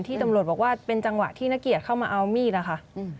ตำรวจบอกว่าเป็นจังหวะที่นักเกียจเข้ามาเอามีดอะค่ะ